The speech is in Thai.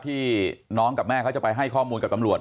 ที่น้องกับแม่เขาจะไปให้ข้อมูลกับตำรวจ